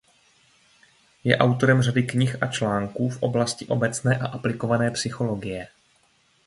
Je autorem řady knih a článků v oblasti obecné a aplikované psychologie.